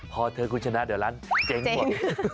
พอเธอคุณชนะเดี๋ยวร้านเกงกว่า